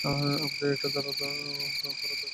আমাদের এটা করার দরকার নেই।